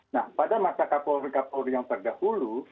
nah pada masa kapol kapol yang terdahulu